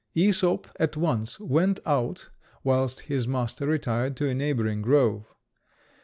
Æsop at once went out, whilst his master retired to a neighbouring grove.